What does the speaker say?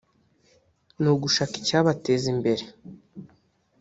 ni ugushaka icyabateza imbere